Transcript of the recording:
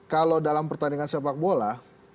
kalau dalam pertandingan sepak bola